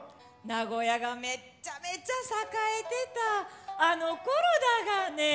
名古屋がめっちゃめちゃ栄えてたあの頃だがね！